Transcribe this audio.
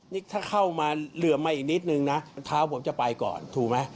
นี่ถ้าเข้ามาเหลือมาอีกนิดนึงนะเท้าผมจะไปก่อนถูกไหม